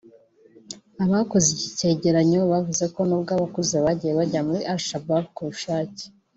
Abakoze iki cyegeranyo bavuze ko nubwo abakuze bagiye bajya muri Al-Shabab ku bushake